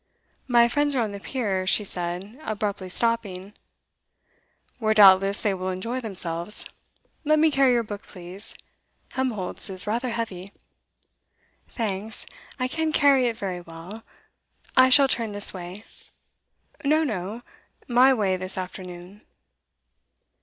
'My friends are on the pier,' she said, abruptly stopping. 'Where doubtless they will enjoy themselves. Let me carry your book, please. Helmholtz is rather heavy.' 'Thanks, I can carry it very well. I shall turn this way.' 'No, no. My way this afternoon.